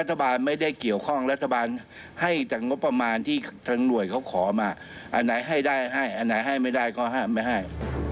ที่ทั้งรวยเขาขอมาอันไหนให้ได้ให้อันไหนให้ไม่ได้ก็ให้ไม่ให้